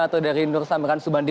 atau dari nur samran subandi